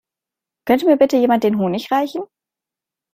Könnte mir bitte jemand den Honig reichen?